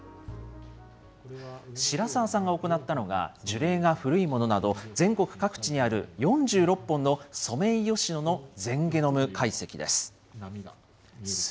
白澤さんが行ったのが、樹齢が古いものなど、全国各地にある４６本のソメイヨシノの全ゲノム解析です。